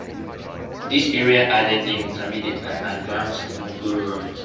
This area added new intermediate and advanced mogul runs.